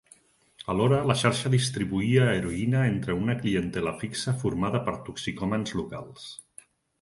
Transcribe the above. Alhora, la xarxa distribuïa heroïna entre una clientela fixa formada per toxicòmans locals.